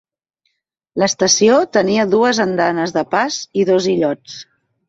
L'estació tenia dues andanes de pas i dos illots.